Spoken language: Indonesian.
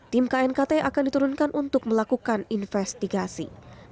tim knkt akan diturunkan untuk melakukan investigasi